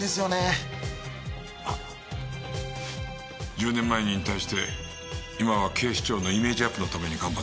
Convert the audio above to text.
１０年前に引退して今は警視庁のイメージアップのために頑張っている。